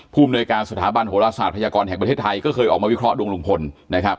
ภูมิหน่วยการสถาบันโหลศาสตร์พยากรแห่งประเทศไทยก็เคยออกมาวิเคราะหดวงลุงพลนะครับ